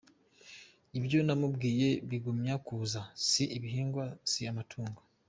Ibyo namubwiye bigumya kuza Si ibihingwa si amatungo.